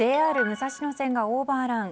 ＪＲ武蔵野線がオーバーラン。